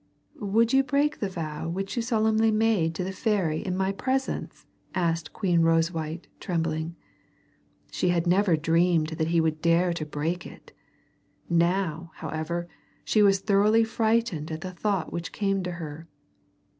"Would you break the vow which you solemnly made to the fairy in my presence?" asked Queen Rosewhite trembling. She had never dreamed that he would dare to break it. Now, however, she was thoroughly frightened at the thought which came to her.